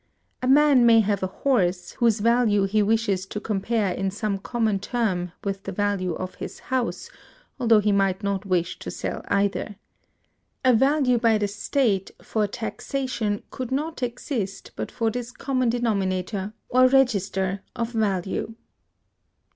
A man may have a horse, whose value he wishes to compare in some common term with the value of his house, although he might not wish to sell either. A valuation by the State for taxation could not exist but for this common denominator, or register, of value.